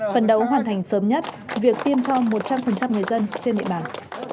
phần đấu hoàn thành sớm nhất việc tiêm cho một trăm linh người dân trên địa bàn